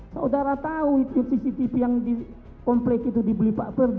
saudara tahu itu cctv yang di komplek itu dibeli pak pergi